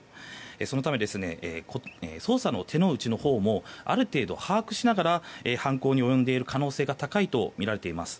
そのため、捜査の手の内のほうもある程度把握しながら犯行に及んでいる可能性が高いとみられています。